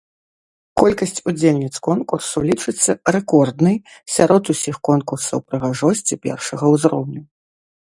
Колькасць удзельніц конкурсу лічыцца рэкорднай сярод усіх конкурсаў прыгажосці першага ўзроўню.